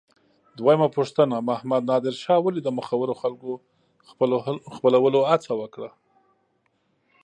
دویمه پوښتنه: محمد نادر شاه ولې د مخورو خلکو خپلولو هڅه وکړه؟